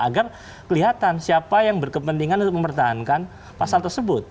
agar kelihatan siapa yang berkepentingan untuk mempertahankan pasal tersebut